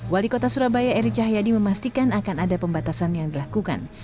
wali kota surabaya eri cahyadi memastikan akan ada pembatasan yang dilakukan